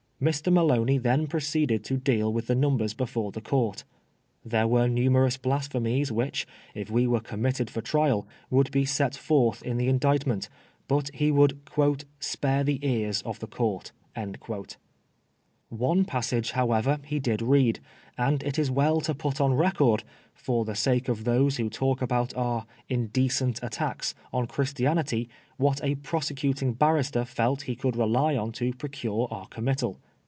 Mr. Maloney then proceeded to deal with the numbers before the Court. There were numerous blasphemies which, if we were committed for trial, would be set forth in the indictment, but he would " spare the ears of the Court." One passage, however, he did read, and it is well to put on record, for the sake of those who talk about our " indecent " attacks on Christianity, what a prosecuting barrister felt he could rely on to procure our committal.